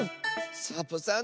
サボさん